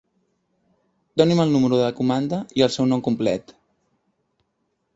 Doni'm el número de comanda i el seu nom complet.